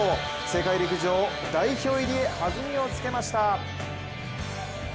世界陸上代表入りへ弾みをつけました。